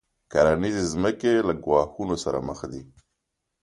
کرنیزې ځمکې له ګواښونو سره مخ دي.